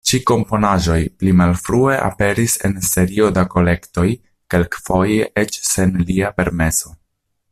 Ĉi-komponaĵoj pli malfrue aperis en serio da kolektoj, kelkfoje eĉ sen lia permeso.